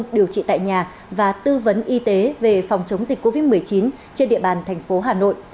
điều trị tại nhà và tư vấn y tế về phòng chống dịch covid một mươi chín trên địa bàn thành phố hà nội